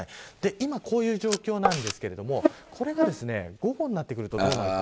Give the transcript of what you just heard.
今、こういう状況ですがこれが午後になってくるとどうなるか。